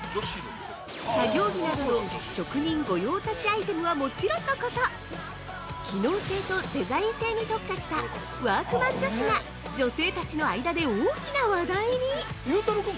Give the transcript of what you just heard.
作業着などの職人御用達アイテムはもちろんのこと、機能性とデザイン性に特化した「＃ワークマン女子」が女性たちの間で大きな話題に！